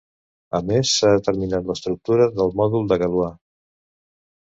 A més, s'ha determinat l'estructura del mòdul de Galois.